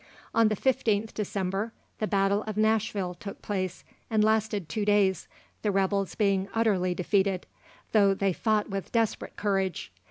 On the 15th December, the battle of Nashville took place, and lasted two days, the rebels being utterly defeated, though they fought with desperate courage.